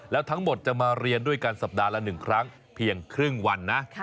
แล้วทั้งหมดจะมาเรียนด้วยกันสัปดาห์ละ๑ครั้งเพียงครึ่งวันนะ